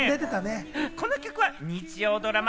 この曲は日曜ドラマ